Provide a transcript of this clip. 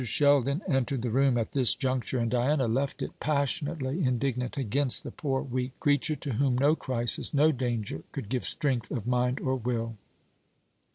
Sheldon entered the room at this juncture, and Diana left it, passionately indignant against the poor weak creature, to whom no crisis, no danger, could give strength of mind or will.